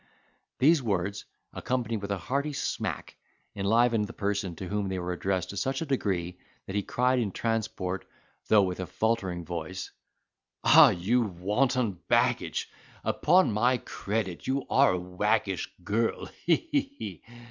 These words, accompanied with a hearty smack, enlivened the person to whom they were addressed to such a degree that he cried, in transport, though with a faltering voice, "Ah! you wanton baggage—upon my credit, you are a waggish girl—he, he, he!"